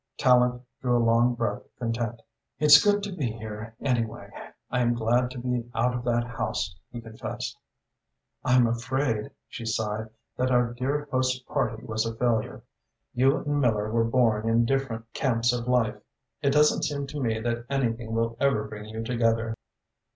Tallente drew a long breath of content. "It's good to be here, anyway. I am glad to be out of that house," he confessed. "I'm afraid," she sighed, "that our dear host's party was a failure. You and Miller were born in different camps of life. It doesn't seem to me that anything will ever bring you together."